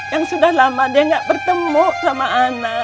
yang sudah lama dia nggak bertemu sama anak